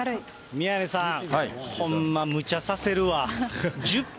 宮根さん、ほんま、むちゃさせるわ。